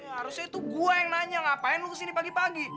harusnya itu gue yang nanya ngapain lu kesini pagi pagi